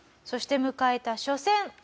そして迎えた初戦。